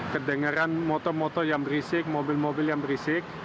kedengeran motor motor yang berisik mobil mobil yang berisik